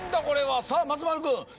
これはさぁ松丸君。